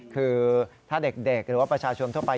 คือถ้าเด็กหรือว่าประชาชนทั่วไป